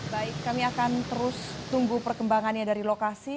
baik kami akan terus tunggu perkembangannya dari lokasi